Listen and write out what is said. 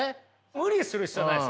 無理する必要はないですよ。